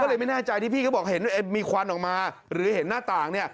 ก็เลยไม่แน่ใจที่พี่ก็บอกเห็นมีควันออกมาหรือเห็นหน้าต่างเนี่ย